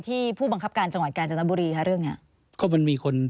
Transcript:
ที่ผู้บังคับการจังหวัดกาญจนบุรี